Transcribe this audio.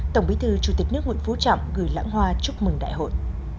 tổng bí thư chủ tịch nước nguyễn phú trọng gửi lãng hoa chúc mừng đại hội